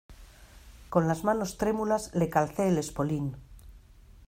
con las manos trémulas le calcé el espolín.